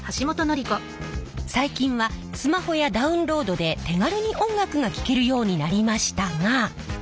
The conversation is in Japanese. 最近はスマホやダウンロードで手軽に音楽が聴けるようになりましたが。